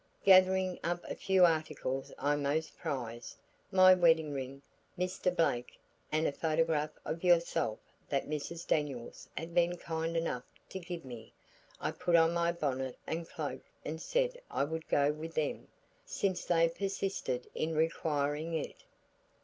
Gathering up a few articles I most prized, my wedding ring, Mr. Blake, and a photograph of yourself that Mrs. Daniels had been kind enough to give me, I put on my bonnet and cloak and said I would go with them, since they persisted in requiring it.